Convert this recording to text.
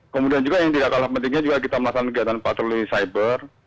kemudian juga yang tidak kalah pentingnya juga kita melakukan kegiatan patroli cyber